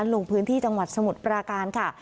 ลงพื้นที่จังหวัดสมุทรปราการค่ะ